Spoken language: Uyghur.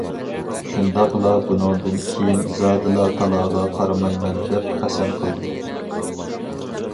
شۇنداقلا بۇنىڭدىن كېيىن زادىلا تالاغا قارىمايمەن دەپ قەسەم قىلدىم.